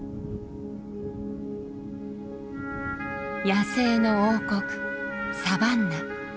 野生の王国サバンナ。